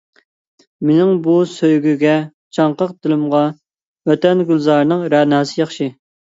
مېنىڭ بۇ سۆيگۈگە چاڭقاق دىلىمغا، ۋەتەن گۈلزارىنىڭ رەناسى ياخشى.